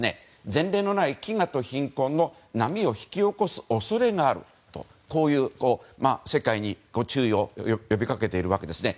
前例のない飢餓と貧困の波を引き起こす恐れがあると世界に注意を呼びかけているわけですね。